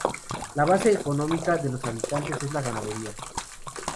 La base económica de los habitantes es la ganadería.